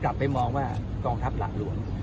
กลับไปมองว่ากองทัพหลังหลวง